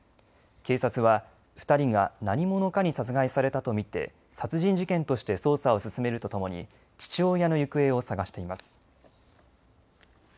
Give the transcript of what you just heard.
警察は２人が何者かに殺害されたと見て殺人事件として捜査を進めるとともに父親の行方を捜しています。